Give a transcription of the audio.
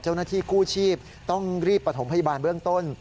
เจ้าหน้าที่กู้ชีพต้องรีบประถมพยาบาลเบื้องต้น